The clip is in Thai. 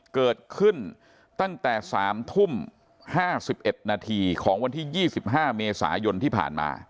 เกิดขึ้นตั้งแต่๓ทุ่ม๕๑นาทีของวันที่๒๕เมษายนที่ผ่านมา